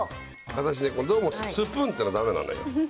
私ね、どうもスプーンっていうのだめなのよ。